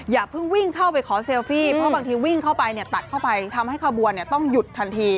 อย่าเพิ่งวิ่งเข้าไปขอเซลฟี่เพราะบางทีวิ่งเข้าไปเนี่ยตัดเข้าไปทำให้ขบวนต้องหยุดทันที